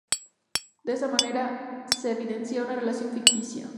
De esta manera, se evidencia una relación ficticia.